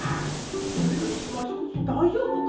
それよりわしこそ大丈夫かのう？